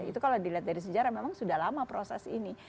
itu kalau dilihat dari sejarah memang sudah lama proses ini